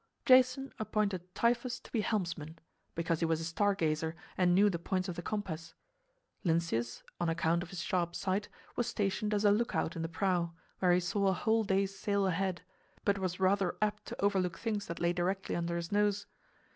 Jason appointed Tiphys to be helmsman, because he was a star gazer and knew the points of the compass. Lynceus, on account of his sharp sight, was stationed as a lookout in the prow, where he saw a whole day's sail ahead, but was rather apt to overlook things that lay directly under his nose.